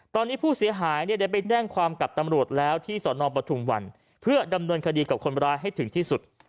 ตอนนี้ผู้เสียหายเนี่ยได้ไปแจ้งความกับตำรวจแล้วที่สนปทุมวันเพื่อดำเนินคดีกับคนร้ายให้ถึงที่สุด